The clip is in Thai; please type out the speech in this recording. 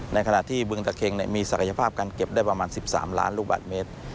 ในขณะที่บึงตะเค็งมีศักยภาพการเก็บได้ประมาณ๑๓ล้านลูกบาทเมตร